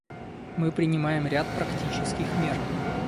Мы принимаем ряд практических мер.